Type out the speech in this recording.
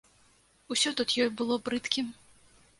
Усё тут ёй было брыдкім.